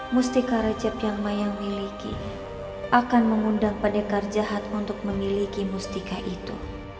mustika recep yang mayang miliki akan mengundang padekar jahat untuk memiliki mustika itu